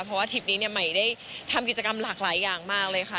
เพราะว่าทริปนี้ใหม่ได้ทำกิจกรรมหลากหลายอย่างมากเลยค่ะ